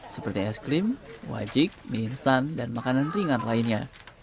seperti es krim wajik mie instan dan makanan ringan lainnya